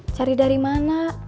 cari dari mana